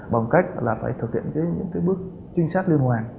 bằng cách là phải thực hiện những bước trinh sát liên hoàn